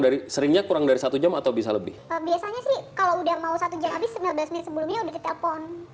dari seringnya kurang dari satu jam atau bisa lebih kalau mau satu jam habis sebelumnya telepon